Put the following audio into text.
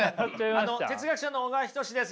哲学者の小川仁志です。